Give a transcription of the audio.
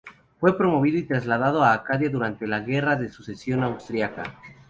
Fue promovido y trasladado a Acadia durante la Guerra de Sucesión Austríaca.